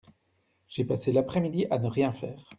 J’ai passé l’après-midi à ne rien faire.